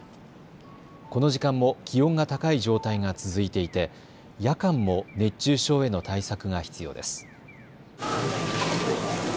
この時間も気温が高い状態が続いていて夜間も熱中症への対策が必要です。